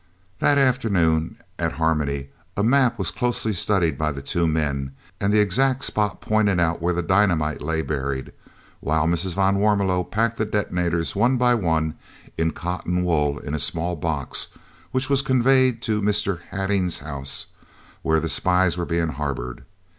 That afternoon at Harmony a map was closely studied by the two men and the exact spot pointed out where the dynamite lay buried, while Mrs. van Warmelo packed the detonators one by one in cotton wool in a small box, which was conveyed to Mr. Hattingh's house, where the spies were being harboured.